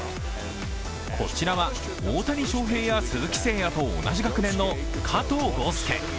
こちらは大谷翔平や鈴木誠也と同じ学年の加藤豪将。